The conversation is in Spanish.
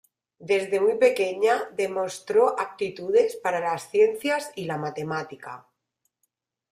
Desde muy pequeña demostró aptitudes para las ciencias y la matemática.